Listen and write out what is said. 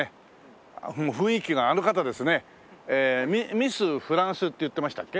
ミスフランスって言ってましたっけ？